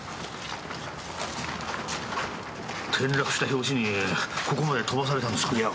転落した拍子にここまで飛ばされたんですかね。